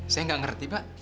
saya gak ngerti pak